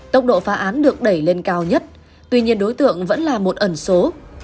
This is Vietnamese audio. tốc độ phá án được đẩy lên cao nhất tuy nhiên đối tượng vẫn là một ẩn số